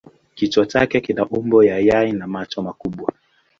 Kichwa chake kina umbo wa yai na macho makubwa.